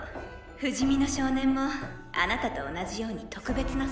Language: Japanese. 不死身の少年もあなたと同じように特別な存在です。